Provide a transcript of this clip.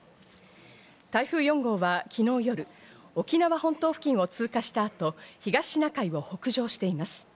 台風４号は昨日夜、沖縄本島付近を通過したあと、東シナ海を北上しています。